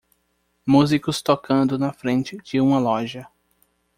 Músicos tocando na frente de uma loja